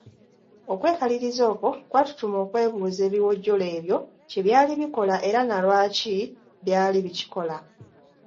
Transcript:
Okwekaliriza okwo kwatutuma okwebuuza ebiwojjolo ebyo kye byali bikola era ne lwaki byali bikikola.